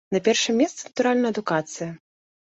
На першым месцы, натуральна, адукацыя.